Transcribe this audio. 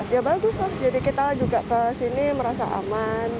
ya bagus lah jadi kita juga ke sini merasa aman